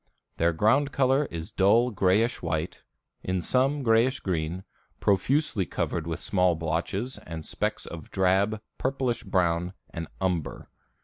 Their ground color is dull grayish white, in some grayish green, profusely covered with small blotches and specks of drab, purplish brown and umber.